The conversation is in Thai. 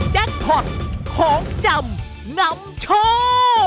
แจ็คท็อตของจำนำโชว์